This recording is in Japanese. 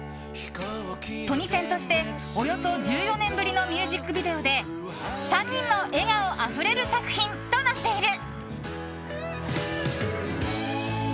トニセンとしておよそ１４年ぶりのミュージックビデオで３人の笑顔あふれる作品となっている。